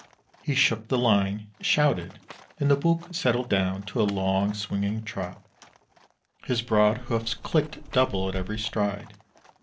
He shook the line, shouted, and the Buk settled down to a long, swinging trot. His broad hoofs clicked double at every stride.